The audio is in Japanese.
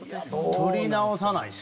撮り直さないしな。